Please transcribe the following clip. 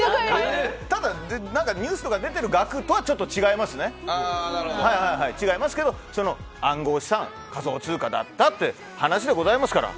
ただ、ニュースとかで出ている額とはちょっと違いますけど暗号資産、仮想通貨だったという話でございますから。